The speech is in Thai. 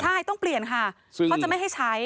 ใช่ต้องเปลี่ยนค่ะเขาจะไม่ให้ใช้